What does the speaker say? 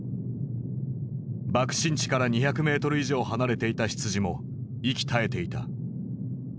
爆心地から２００メートル以上離れていた羊も息絶えていた。